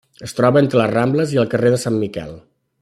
Es troba entre les Rambles i el carrer de Sant Miquel.